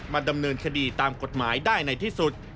ดำเนินคดีตามกฎหมายได้ในที่สุด